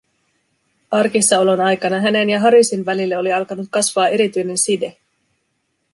Arkissa olon aikana hänen ja Harishin välille oli alkanut kasvaa erityinen side.